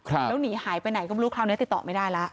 แล้วหนีหายไปไหนก็ไม่รู้คราวนี้ติดต่อไม่ได้แล้ว